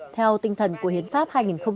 theo tinh thần của hiến pháp hai nghìn một mươi ba